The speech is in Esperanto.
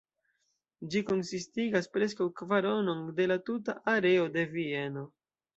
Ĝi konsistigas preskaŭ kvaronon de la tuta areo de Vieno.